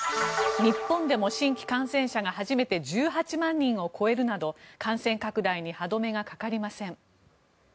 日本でも新規感染者が初めて１８万人を超えるなど感染拡大に歯止めがかかりません。